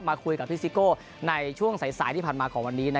มาคุยกับพี่ซิโก้ในช่วงสายที่ผ่านมาของวันนี้